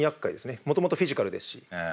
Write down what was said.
もともとフィジカルですし。